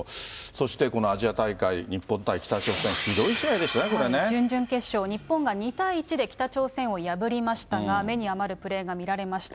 そして、このアジア大会、日本対北朝鮮、準々決勝、日本が２対１で北朝鮮を破りましたが、目に余るプレーが見られました。